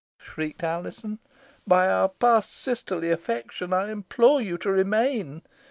shrieked Alizon, "By our past sisterly affection I implore you to remain!